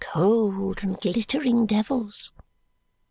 Cold and glittering devils!"